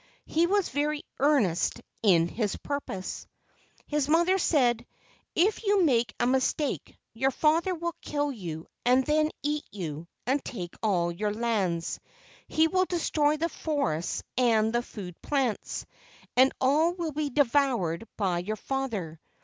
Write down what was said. He was very earnest in his purpose. His mother said: "If you make a mistake, your father will kill you and then eat you and take all your lands. He will destroy the forests and the food plants, and all will be devoured by your father.